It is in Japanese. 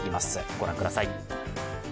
ご覧ください。